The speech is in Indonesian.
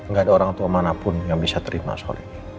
gak ada orang tua manapun yang bisa terima soal ini